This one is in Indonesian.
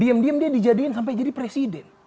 diem diem dia dijadiin sampai jadi presiden